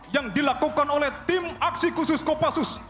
yang dilakukan oleh tim aksi khusus kopassus